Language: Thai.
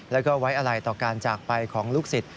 แล้วก็ไว้อะไรต่อการจากไปของลูกศิษย